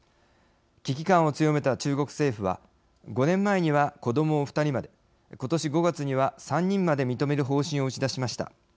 危機感を強めた中国政府は５年前には子どもを二人までことし５月には、三人まで認める方針を打ち出しました。